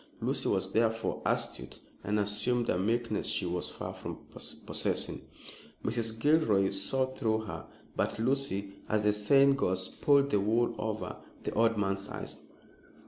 Lucy was therefore astute and assumed a meekness she was far from possessing. Mrs. Gilroy saw through her, but Lucy as the saying goes pulled the wool over the old man's eyes.